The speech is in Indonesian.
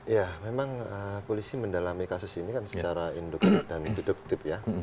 ya memang polisi mendalami kasus ini kan secara induktif dan deduktif ya